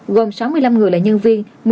gồm sáu mươi năm người là nhân viên